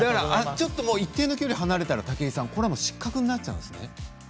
一定の距離、離れたら武井さん失格になっちゃうんですね。